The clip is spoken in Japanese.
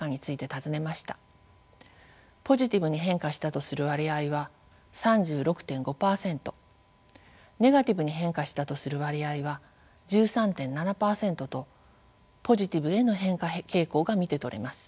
ポジティブに変化したとする割合は３６．５％ネガティブに変化したとする割合は１３．７％とポジティブへの変化傾向が見て取れます。